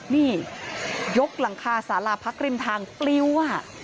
นี่ยกหลังคาสาราพักริมทางปลิวอ่ะ